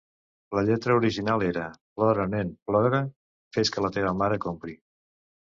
La lletra original era: "Plora nen, plora, fes que la teva mare compri".